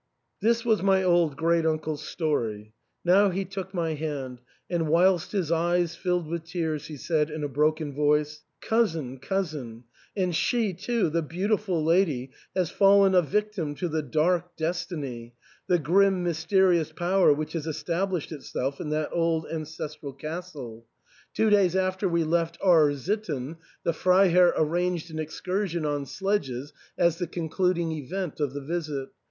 This was my old great uncle's story. Now he took my hand, and whilst his eyes filled with tears, he said, in a broken voice, " Cousin, cousin ! And she too — the beautiful lady — has fallen a victim to the dark destiny, the grim, mysterious power which has established itself in that old ancestral castle. Two days after we THE ENTAIL. 319 left R — sitten the Freiherr arranged an excursion on sledges as the concluding event of the visit.